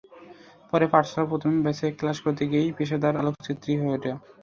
পরে পাঠশালার প্রথম ব্যাচে ক্লাস করতে গিয়েই পেশাদার আলোকচিত্রী হয়ে ওঠা।